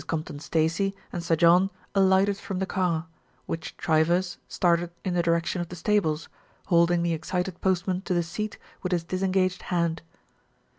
Compton Stacey and Sir John alighted from the car, which Chivers started in the direction of the stables, holding the excited postman to the seat with his disen gaged hand.